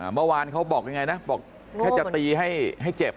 เมื่อวานเขาบอกยังไงนะบอกแค่จะตีให้เจ็บ